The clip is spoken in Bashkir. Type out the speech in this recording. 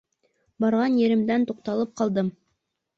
Барған еремдән туҡталып ҡалдым.